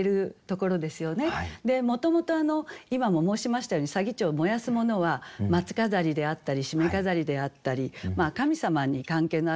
もともと今も申しましたように左義長燃やすものは松飾りであったりしめ飾りであったり神様に関係のあるものですよね。